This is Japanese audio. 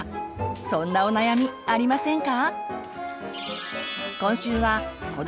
そんなお悩みありませんか？